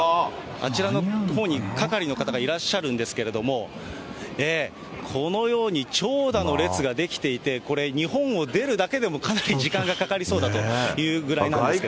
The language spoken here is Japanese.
あちらのほうに係の方がいらっしゃるんですけれども、このように長蛇の列が出来ていて、これ、日本を出るだけでもかなり時間がかかりそうだというぐらいなんですけれども。